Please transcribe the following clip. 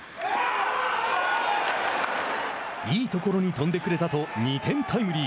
「いいところに飛んでくれた」と２点タイムリー。